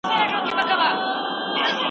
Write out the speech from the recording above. د مینځلو ماشینونه په روغتونونو کي سته؟